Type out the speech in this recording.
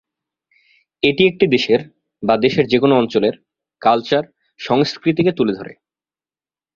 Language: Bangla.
এটি একটি দেশের বা দেশের যেকোনো অঞ্চলের কালচার সংস্কৃতিকে তুলে ধরে।